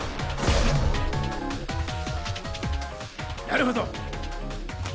なるほど！